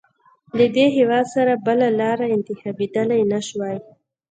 له دې هېواد سره بله لاره انتخابېدلای نه شوای.